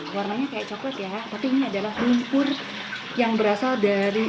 warnanya kayak coklat ya tapi ini adalah lumpur yang berasal dari